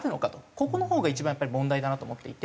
ここのほうが一番やっぱり問題だなと思っていて。